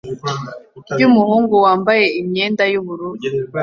rw'umuhungu wambaye imyenda y'ubururu